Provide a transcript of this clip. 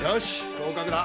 合格だ。